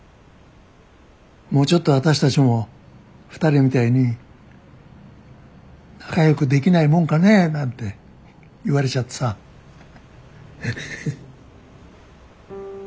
もうちょっと私たちも２人みたいに仲よくできないもんかねぇなんて言われちゃってさハハッ。